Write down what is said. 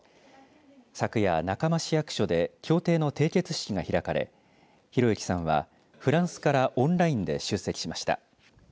昨夜、中間市役所で協定の締結式が開かれひろゆきさんは、フランスからオンラインで出席しました。